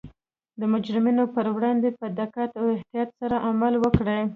د مجرمینو پر وړاندې په دقت او احتیاط سره عمل وکړي